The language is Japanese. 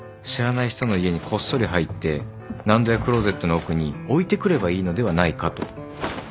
知らない人の家にこっそり入って納戸やクローゼットの奥に置いてくればいいのではないかと。